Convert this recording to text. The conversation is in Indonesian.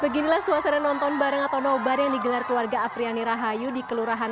beginilah suasana nonton bareng atau nobar yang digelar keluarga apriani rahayu di kelurahan